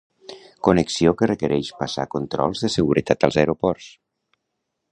Connexió que requereix passar controls de seguretat als aeroports.